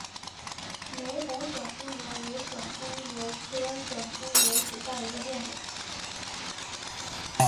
玫红省沽油为省沽油科省沽油属下的一个变种。